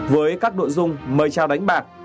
với các nội dung mời trào đánh bạc